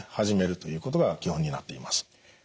始めるということが基本になっています。